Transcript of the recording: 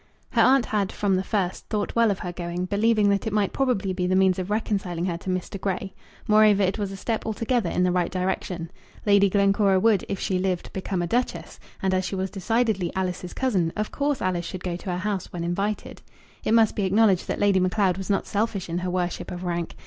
Her aunt had, from the first, thought well of her going, believing that it might probably be the means of reconciling her to Mr. Grey. Moreover, it was a step altogether in the right direction. Lady Glencora would, if she lived, become a Duchess, and as she was decidedly Alice's cousin, of course Alice should go to her house when invited. It must be acknowledged that Lady Macleod was not selfish in her worship of rank.